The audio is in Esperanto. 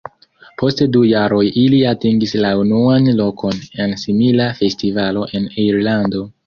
Post du jaroj ili atingis la unuan lokon en simila festivalo en Irlando.